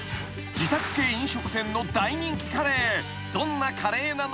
［自宅系飲食店の大人気カレー］えっ？